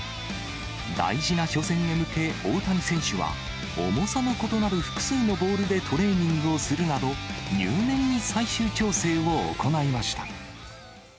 大事な初戦へ向け、大谷選手は、重さの異なる複数のボールでトレーニングをするなど、入念に最終調整を行いました。